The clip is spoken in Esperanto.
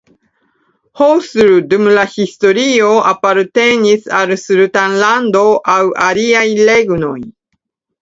Hosur dum la historio apartenis al sultanlando aŭ aliaj regnoj.